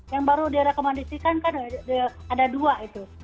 yang baru direkomendasikan kan ada dua itu